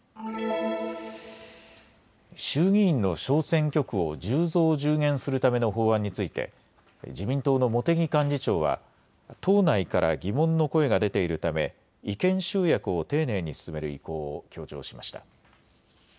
衆議院の小選挙区を１０増１０減するための法案について自民党の茂木幹事長は党内から疑問の声が出ているため意見集約を丁寧に進める意向を強調しました。